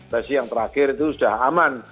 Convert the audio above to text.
resi yang terakhir itu sudah aman